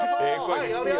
はいやるよ。